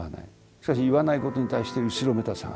しかし言わない事に対して後ろめたさがある。